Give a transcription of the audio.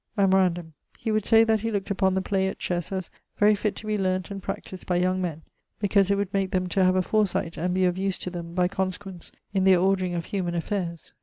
Memorandum: he would say that he look't upon the play at chesse very fitt to be learn't and practised by young men, because it would make them to have a foresight and be of use to them (by consequence) in their ordering of humane affaires.